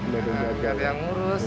biar yang ngurus